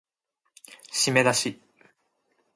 しめだし